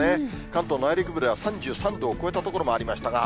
関東内陸部では３３度を超えた所もありましたが。